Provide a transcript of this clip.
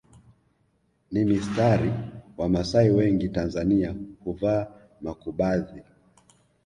ni mistari Wamasai wengi Tanzania huvaa makubadhi